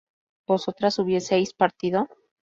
¿vosotras hubieseis partido?